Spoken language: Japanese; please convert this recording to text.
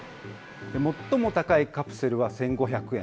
最も高いカプセルは１５００円。